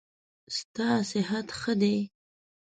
ستا صحت ښه دی؟